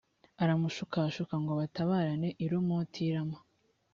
aramushukashuka ngo batabarane i ramoti y irama